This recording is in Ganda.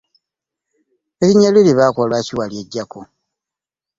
Erinnya lyo lye baakuwa lwaki walyeggyako?